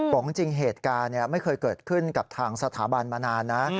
บอกจริงเหตุการณ์ไม่เคยเกิดขึ้นกับทางสถาบันมานานนะ